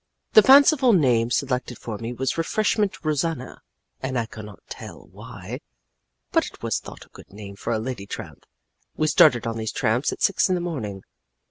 "The fanciful name selected for me was Refreshment Rosanna and I can not tell why. But it was thought a good name for a lady tramp. We started on these tramps at six in the morning.